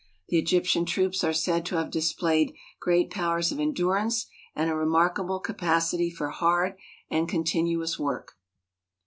The Egyptian troops are said to have displayed great powers of endurance and a remarkable capacity for hard and continuous work.